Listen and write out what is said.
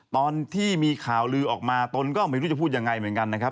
ตอนที่มีข่าวลือออกมาตนก็ไม่รู้จะพูดยังไงเหมือนกันนะครับ